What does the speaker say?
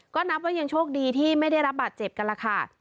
ก็นับว่ายังโชคดีที่ไม่ได้รับบาดเจ็บกันล่ะค่ะ